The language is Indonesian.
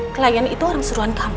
klien itu orang suruhan kamu